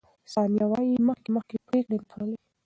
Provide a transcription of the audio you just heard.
ثانیه وايي، مخکې مخکې پرېکړې نه کولې.